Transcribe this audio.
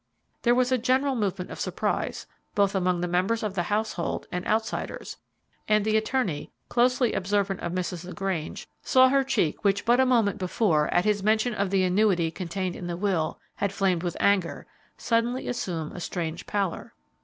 There was a general movement of surprise, both among the members of the household and outsiders; and the attorney, closely observant of Mrs. LaGrange, saw her cheek, which but a moment before, at his mention of the annuity contained in the will, had flamed with anger, suddenly assume a strange pallor.